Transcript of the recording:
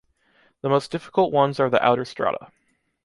The most difficult ones are the outer strata.